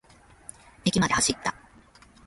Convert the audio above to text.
駅まで走った。